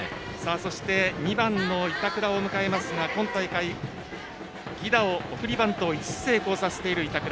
２番の板倉を迎えますが今大会、送りバントを５つ成功させている板倉。